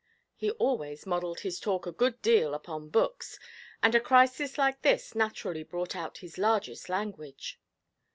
He always modelled his talk a good deal upon books, and a crisis like this naturally brought out his largest language.